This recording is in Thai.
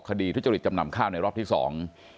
ทุจริตจำนำข้าวในรอบที่สอง